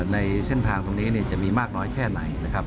ในเส้นทางตรงนี้จะมีมากน้อยแค่ไหนนะครับ